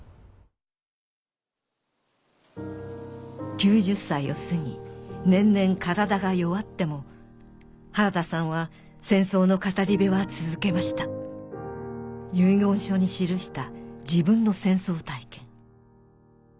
９０歳を過ぎ年々体が弱っても原田さんは戦争の語り部は続けました遺言書に記した自分の戦争体験